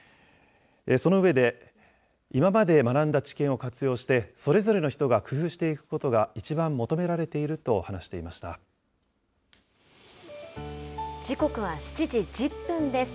その上で、今まで学んだ知見を活用して、それぞれの人が工夫していくことが、一番求められている時刻は７時１０分です。